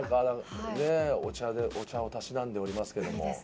お茶をたしなんでおりますけれども。